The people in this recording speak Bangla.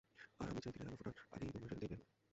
আর আমি চাই দিনের আলো ফোটার আগেই তোমরা সেখান থেকে বের হবে।